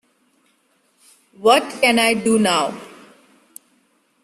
what can I do now?